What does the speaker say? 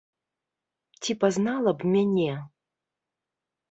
Ці пазнала б мяне?